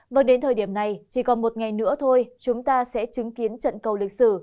và đến thời điểm này chỉ còn một ngày nữa thôi chúng ta sẽ chứng kiến trận cầu lịch sử